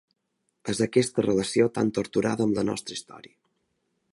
És aquesta relació tan torturada amb la nostra història.